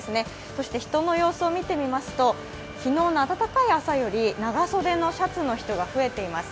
そして人の様子を見てみますと昨日の暖かい朝より長袖のシャツの人が増えています。